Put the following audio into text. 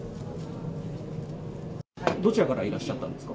どちらからいらっしゃったんですか？